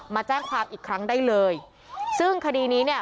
มาแจ้งความอีกครั้งได้เลยซึ่งคดีนี้เนี่ย